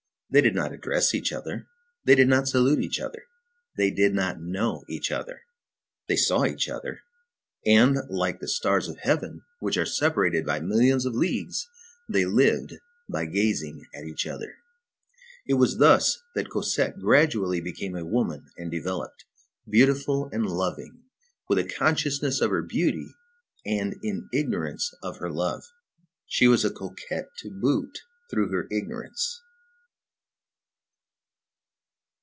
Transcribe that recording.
They did not address each other, they did not salute each other, they did not know each other; they saw each other; and like stars of heaven which are separated by millions of leagues, they lived by gazing at each other. It was thus that Cosette gradually became a woman and developed, beautiful and loving, with a consciousness of her beauty, and in ignorance of her love. She was a coquette to boot through her ignorance.